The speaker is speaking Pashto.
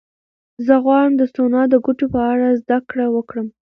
زه غواړم د سونا د ګټو په اړه زده کړه وکړم.